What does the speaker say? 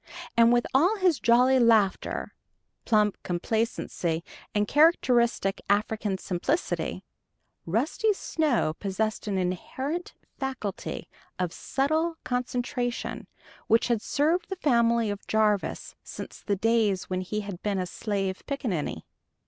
And with all his jolly laughter, plump complacency, and characteristic African simplicity, Rusty Snow possessed an inherent faculty of subtle concentration which had served the family of Jarvis since the days when he had been a slave pickanninny.